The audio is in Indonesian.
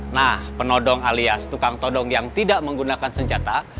nah penodong alias tukang todong yang tidak menggunakan senjata